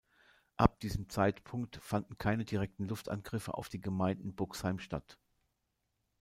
Ab diesem Zeitpunkt fanden keine direkten Luftangriffe auf die Gemeinden Buxheim statt.